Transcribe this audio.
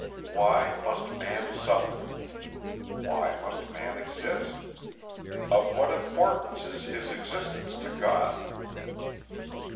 Why must man suffer? Why must man exist? Of what importance is his existence to God?